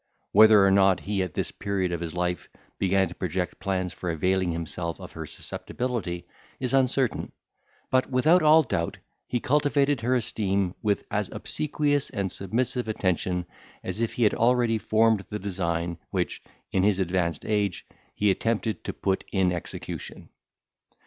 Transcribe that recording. Whether or not he at this period of his life began to project plans for availing himself of her susceptibility, is uncertain; but, without all doubt, he cultivated her esteem with as obsequious and submissive attention as if he had already formed the design, which, in his advanced age, he attempted to put in execution.